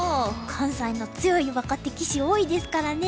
関西の強い若手棋士多いですからね。